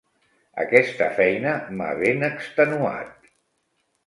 Aquesta feina m'ha ben extenuat.